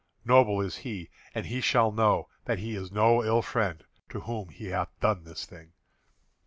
Noble is he, and he shall know that he is no ill friend to whom he hath done this thing."